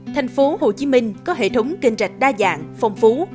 thành phố hồ chí minh có hệ thống kênh rạch đa dạng phong phú